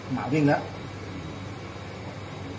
หมาวิ่งแล้ว